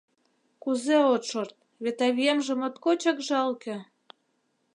Кузе от шорт, вет авиемже моткочак жалке.